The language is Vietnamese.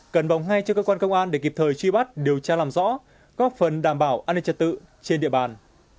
cần bóng ngay cho cơ quan công an để kịp thời truy bắt điều tra làm rõ góp phần đảm bảo an ninh trật tự trên địa bàn